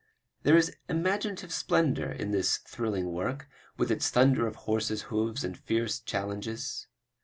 There is imaginative splendor in this thrilling work, with its thunder of horses' hoofs and fierce challengings.